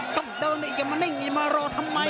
ต้องเดินอีกอย่ามานิ่งนี่มารอทำไม